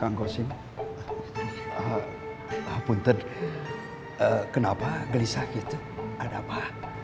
kang gosim hapunten kenapa gelisah gitu ada apa